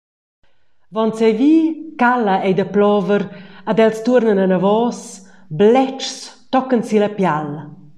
Vonzeivi cala ei da plover ed els tuornan anavos, bletschs tochen silla pial.